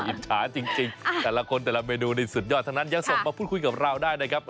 อิจฉาจริงแต่ละคนแต่ละเมนูนี่สุดยอดทั้งนั้นยังส่งมาพูดคุยกับเราได้นะครับ